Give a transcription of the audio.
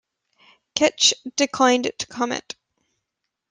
Keetch declined to comment.